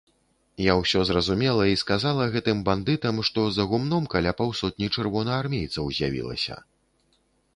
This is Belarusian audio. Я ўсё зразумела і сказала гэтым бандытам, што за гумном каля паўсотні чырвонаармейцаў з'явілася.